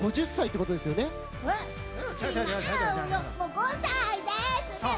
５歳です。